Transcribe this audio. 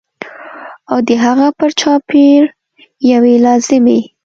او د هغه پر چاپېر یوې لازمي